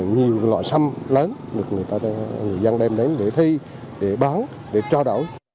nhiều loại sông lớn được người dân đem đến để thi để bán để cho đổi